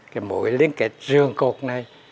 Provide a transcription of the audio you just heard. cái mỗi liên kết rường cột này